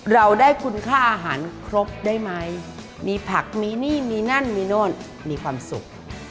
เราได้คุณค่าอาหารครบได้ไหมมีผักมีนี่มีนั่นมีโน่นมีความสุข